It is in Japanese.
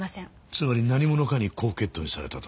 つまり何者かに高血糖にされたと？